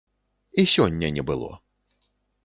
І сёння не было!